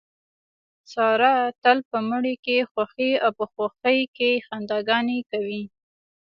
ساره تل په مړي کې خوښي او په خوښۍ کې خندا ګانې کوي.